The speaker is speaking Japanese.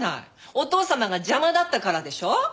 お義父様が邪魔だったからでしょう？